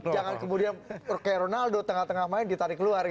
jangan kemudian seperti ronaldo tengah tengah main ditarik keluar